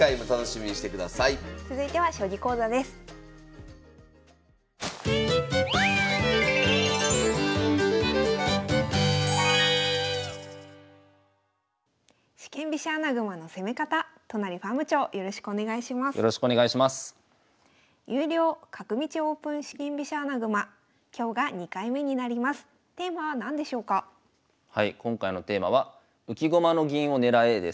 はい今回のテーマは「浮き駒の銀を狙え！」です。